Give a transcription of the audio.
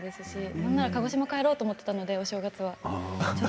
なんなら鹿児島に帰ろうと思っていたのでお正月は。